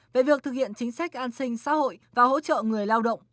về việc thực hiện chính sách an sinh xã hội và hỗ trợ người lao động